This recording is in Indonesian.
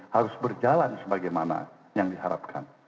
harus berjalan sebagaimana yang diharapkan